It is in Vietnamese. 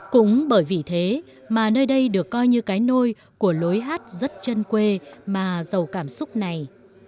cũng bởi vì thế mà nơi đây được coi như cái nôi của lối hát rất chân quê mà giàu cảm xúc này